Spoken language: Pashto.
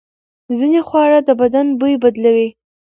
ځینې خواړه د بدن بوی بدلوي.